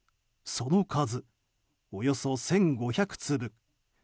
その数、およそ１５００粒。